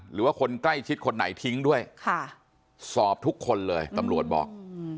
หรือว่าคนใกล้ชิดคนไหนทิ้งด้วยสอบทุกคนเลยตำรวจบอก